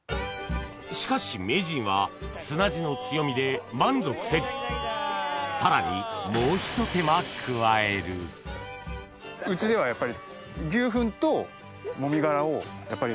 しかし名人は砂地の強みで満足せずさらにもうひと手間加えるうちではやっぱり。